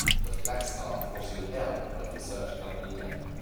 The flagstaff was the "L" of the search-company name.